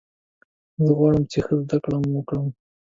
زه غواړم چې ښه زده کړه وکړم.